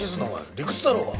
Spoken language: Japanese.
理屈だろ！